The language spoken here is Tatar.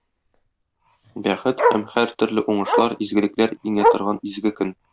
Бәхет һәм һәртөрле уңышлар, изгелекләр иңә торган изге көн.